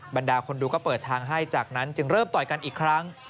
บรรดาคนดูก็เปิดทางให้จากนั้นจึงเริ่มต่อยกันอีกครั้ง